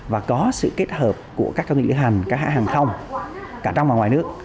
và có sự kết hợp của các công nghệ lễ hành các hãng không cả trong và ngoài nước